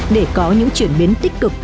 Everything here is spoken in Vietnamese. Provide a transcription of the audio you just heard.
để có những chuyển biến tích cực